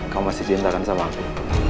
kamu masih diindahkan sama aku